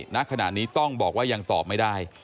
ณขณะนี้ต้องบอกว่ายังตอบไม่ได้